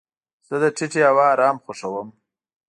زه د ټیټې هوا ارام خوښوم.